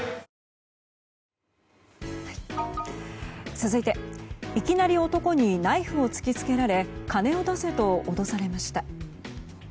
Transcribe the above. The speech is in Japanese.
続いて、いきなり男にナイフを突きつけられ金を出せと脅されました。